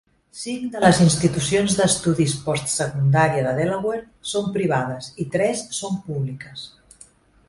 Cinc de les institucions d'estudis postsecundària de Delaware són privades i tres són públiques.